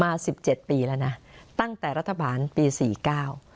สิบเจ็ดปีแล้วนะตั้งแต่รัฐบาลปีสี่เก้า